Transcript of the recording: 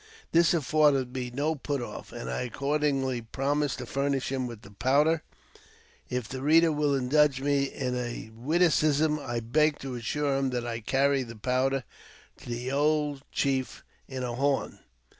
'' This afforded me no put off, and I accordingly promised to iurnish him with the powder. If the reader will indulge me in a witticism, I beg to assure him that I carried the powder to the old chief in a horn